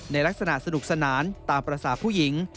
ในลักษณะสนุกสนานตามภาษาผู้หญิง